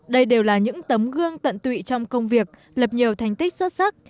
đây đều là những tấm gương tận tụy trong công việc lập nhiều thành tích xuất sắc